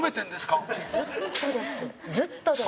ずっとです。